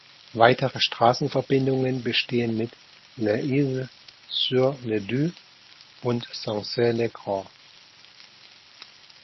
Weitere Straßenverbindungen bestehen mit L’Isle-sur-le-Doubs und Sancey-le-Grand.